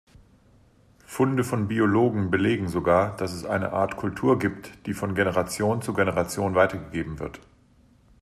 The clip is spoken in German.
Funde von Biologen belegen sogar, dass es eine Art Kultur gibt, die von Generation zu Generation weitergegeben wird.